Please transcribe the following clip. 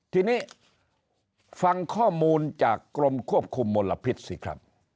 ทีนี้ฟังข้อมูลจากกรมควบคุมมลพิษสิครับ